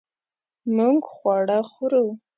مونږ خواړه خورو